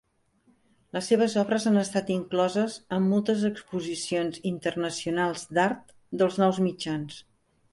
Les seves obres han estat incloses en moltes exposicions internacionals d'art dels nous mitjans.